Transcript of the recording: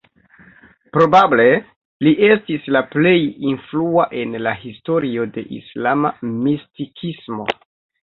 Probable li estis la plej influa en la historio de islama mistikismo.